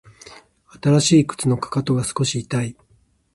新しい靴のかかとが少し痛い